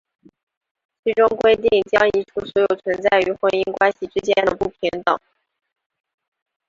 其中规定将移除所有存在于婚姻关系之间的不平等。